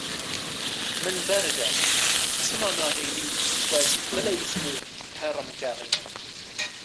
Min berde, çima nahîlî ku ez bileyzim û herim gerê?